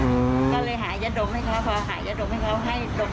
ก็เลยหายาดมให้เขาพอหายาดมให้เขาให้ดม